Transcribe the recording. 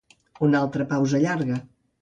Una altra pausa llarga.